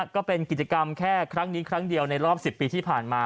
ก็เป็นกิจกรรมแค่ครั้งนี้ครั้งเดียวในรอบ๑๐ปีที่ผ่านมา